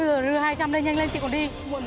lừa đưa hai trăm linh đây nhanh lên chị còn đi